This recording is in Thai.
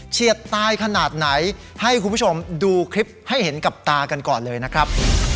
ดตายขนาดไหนให้คุณผู้ชมดูคลิปให้เห็นกับตากันก่อนเลยนะครับ